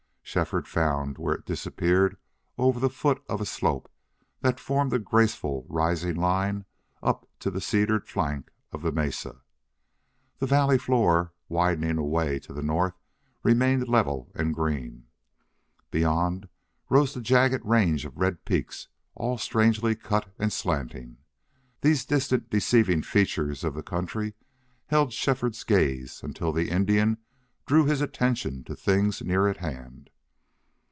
Shefford found where it disappeared over the foot of a slope that formed a graceful rising line up to the cedared flank of the mesa. The valley floor, widening away to the north, remained level and green. Beyond rose the jagged range of red peaks, all strangely cut and slanting. These distant deceiving features of the country held Shefford's gaze until the Indian drew his attention to things near at hand.